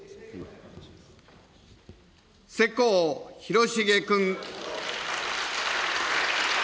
世耕弘成君。